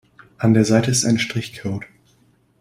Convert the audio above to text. An der Seite ist ein Strichcode.